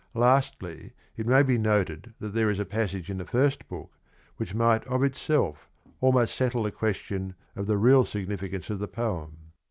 Lastly it may be noted that there is a passage in the first book which might of itself almost settle the question of the real significance of the poem.